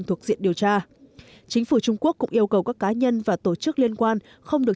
thuộc diện điều tra chính phủ trung quốc cũng yêu cầu các cá nhân và tổ chức liên quan không được